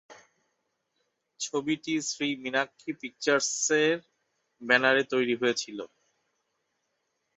ছবিটি শ্রী মীনাক্ষী পিকচার্সের ব্যানারে তৈরি হয়েছিল।